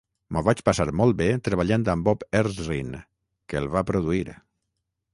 M'ho vaig passar molt bé treballant amb Bob Ezrin, que el va produir.